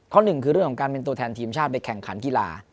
หนึ่งคือเรื่องของการเป็นตัวแทนทีมชาติไปแข่งขันกีฬา